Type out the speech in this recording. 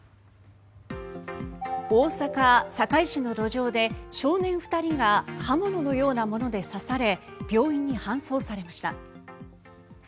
大阪・堺市の路上で少年２人が刃物のようなもので刺され病院に搬送されました。